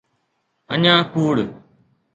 اڃا ڪوڙ.